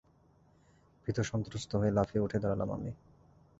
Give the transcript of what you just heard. ভীতসন্ত্রস্ত হয়ে লাফিয়ে উঠে দাঁড়ালাম আমি।